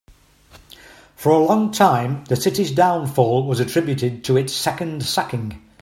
For a long time, the city's downfall was attributed to its second sacking.